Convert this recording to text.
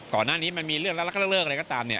ก่อนหน้านี้มันมีเรื่องรักเริ่มอะไรก็ตาม